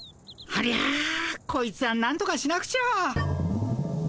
ありゃこいつはなんとかしなくちゃ。